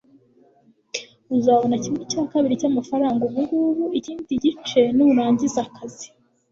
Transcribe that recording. uzabona kimwe cya kabiri cyamafaranga ubungubu, ikindi gice nurangiza akazi